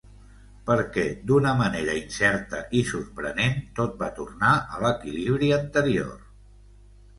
Perquè d'una manera incerta i sorprenent, tot va tornar a l'equilibri anterior.